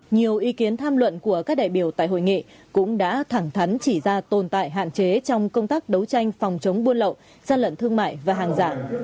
nhiều ý kiến tham luận của các đại biểu tại hội nghị cũng đã thẳng thắn chỉ ra tồn tại hạn chế trong công tác đấu tranh phòng chống buôn lậu gian lận thương mại và hàng giả